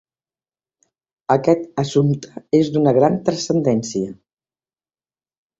Aquest assumpte és d'una gran transcendència.